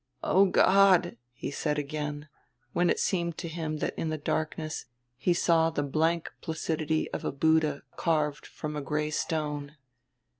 "Oh God " he said again, when it seemed to him that in the darkness he saw the blank placidity of a Buddha carved from gray stone.